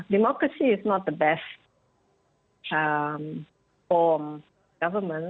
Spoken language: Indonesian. demokrasi tidak terbaik